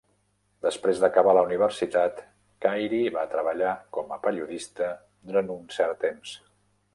Després d'acabar la universitat, Khairy va treballar com a periodista durant un cert temps.